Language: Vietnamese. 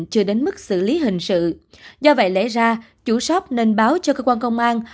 chủ shop nên báo cho cơ quan công an